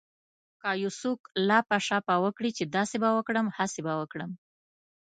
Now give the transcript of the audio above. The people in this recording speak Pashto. که يو څوک لاپه شاپه وکړي چې داسې به وکړم هسې به وکړم.